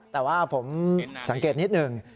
แต่ว่าผมสังเกตนิดหนึ่ง